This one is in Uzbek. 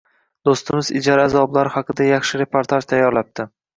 Doʻstimiz ijara azoblari haqida yaxshi reportaj tayyorlabdi.